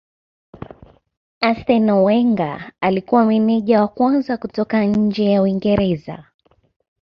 Arsenal Wenger alikuwa meneja wa kwanza kutoka nje ya Uingereza.